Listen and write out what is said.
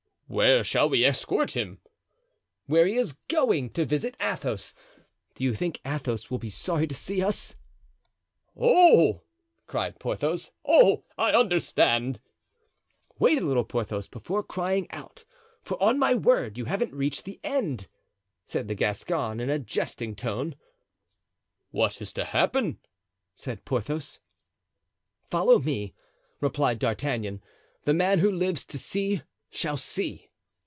"Where shall we escort him?" "Where he is going—to visit Athos. Do you think Athos will be sorry to see us?" "Oh!" cried Porthos, "oh! I understand." "Wait a little, Porthos, before crying out; for, on my word, you haven't reached the end," said the Gascon, in a jesting tone. "What is to happen?" said Porthos. "Follow me," replied D'Artagnan. "The man who lives to see shall see."